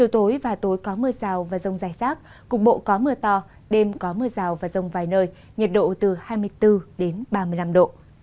tối và tối có mưa rào và rông dài rác cục bộ có mưa to đêm có mưa rào và rông vài nơi nhiệt độ từ hai mươi bốn đến ba mươi năm độ